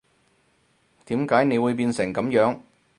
點解你會變成噉樣